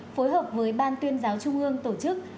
phối hợp với ban tuyên giáo trung ương tổ chức